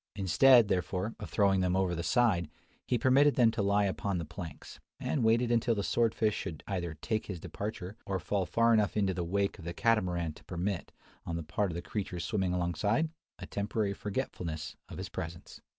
Instead, therefore, of throwing them over the side, he permitted them to lie upon the planks, and waited until the sword fish should either take his departure or fall far enough into the wake of the Catamaran to permit, on the part of the creatures swimming alongside, a temporary forgetfulness of his presence.